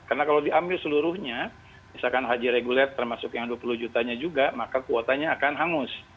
karena kalau diambil seluruhnya misalkan haji reguler termasuk yang dua puluh jutanya juga maka kuotanya akan hangus